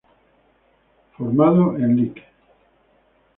Formado en Lic.